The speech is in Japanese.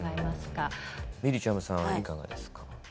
みりちゃむさんいかがですか？